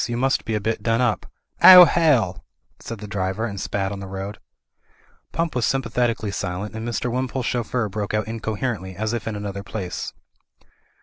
You must be a bit done up.*' *'Oh hell !" said the .driver and spat on the road. Pump was S3rmpafhetically silent, and Mr. Wim pole's chauffeur broke out incoherently, as if in an other place.